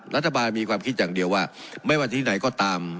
รัฐบาลมีความคิดอย่างเดียวว่าไม่ว่าที่ไหนก็ตาม